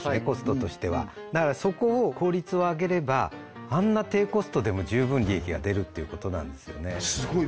コストとしてはだからそこを効率を上げればあんな低コストでも十分利益が出るっていうことなんですよね